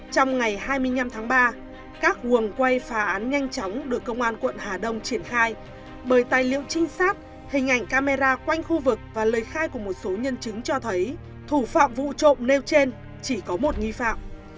trong ngày hai mươi năm tháng ba các quần quay phá án nhanh chóng được công an quận hà đông triển khai bởi tài liệu trinh sát hình ảnh camera quanh khu vực và lời khai của một số nhân chứng cho thấy thủ phạm vụ trộm nêu trên chỉ có một nghi phạm